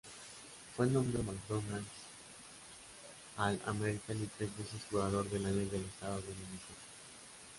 Fue nombrado McDonald's All-American y tres veces Jugador del año del estado de Minnesota.